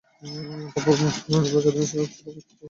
তারপর বাকী অধিকাংশই উচ্চ ভাব নিতে অক্ষম।